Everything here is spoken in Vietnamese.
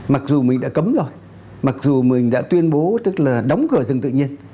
mặc dù mình đã cấm rồi mặc dù mình đã tuyên bố tức là đóng cửa rừng tự nhiên